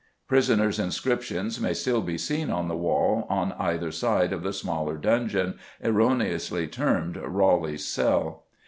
Prisoners' inscriptions may still be seen on the wall on either side of the smaller dungeon, erroneously termed "Raleigh's Cell."